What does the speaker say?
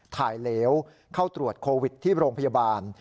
เหลวเข้าตรวจโควิดที่โรงพยาบาล